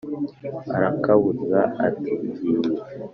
arakabuza ati: “ngiye